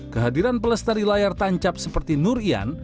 kehadiran pelestari layar tancap seperti nur ian